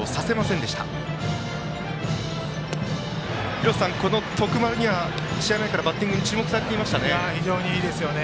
廣瀬さん、この徳丸には試合前からバッティングに非常にいいですよね。